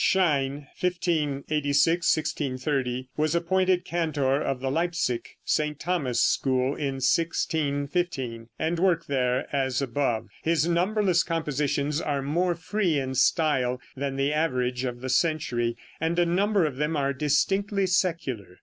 Schein (1586 1630) was appointed cantor of the Leipsic St. Thomas school in 1615, and worked there as above. His numberless compositions are more free in style than the average of the century, and a number of them are distinctly secular.